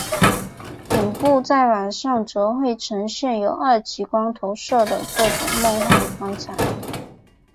顶部在晚上则会呈现由二极管投射的各种梦幻光彩。